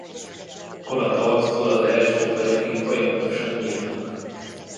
Kora tavasztól az első fagyokig folyamatosan nyílnak.